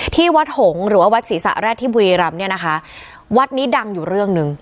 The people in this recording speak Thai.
ที่วัดหงษ์หรือว่าวัดศรีสะแรกที่บุรีรำเนี่ยนะคะวัดนี้ดังอยู่เรื่องหนึ่ง